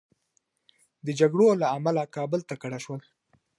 د جګړو له امله کابل ته کډه شول.